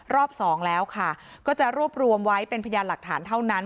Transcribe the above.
สองแล้วค่ะก็จะรวบรวมไว้เป็นพยานหลักฐานเท่านั้น